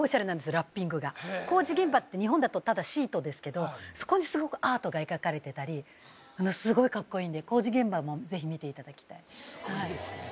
ラッピングが工事現場って日本だとただシートですけどそこにすごくアートが描かれてたりすごいカッコイイんで工事現場もぜひ見ていただきたいすごいですねえ